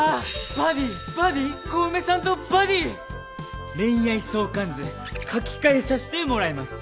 バディーバディー小梅さんとバディー恋愛相関図書き換えさしてもらいます。